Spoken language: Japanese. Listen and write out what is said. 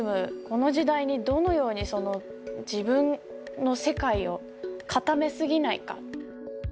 この時代にどのようにその自分の世界を固めすぎないか